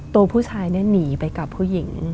ตัวผู้ชายเนี่ยหนีไปกับผู้หญิง